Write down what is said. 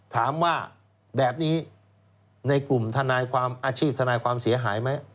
ถามว่าแบบนี้ในกลุ่มทนายความอาชีพทนายความเสียหายไหม